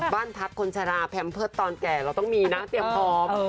บ้านพักคนชะลาแพมเพิร์ตตอนแก่เราต้องมีนะเตรียมพร้อม